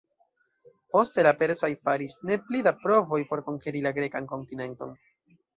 Poste la persaj faris ne pli da provoj por konkeri la grekan kontinenton.